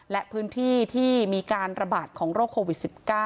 และพื้นที่ที่มีการระบาดของโรคโควิด๑๙